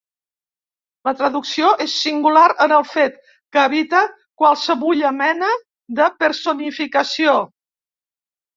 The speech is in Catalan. La traducció és singular en el fet que evita qualsevulla mena de personificació.